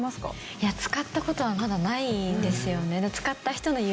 いや使った事はまだないんですよね。